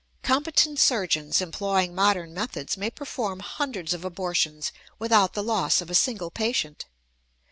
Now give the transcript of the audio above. Competent surgeons, employing modern methods, may perform hundreds of abortions without the loss of a single patient.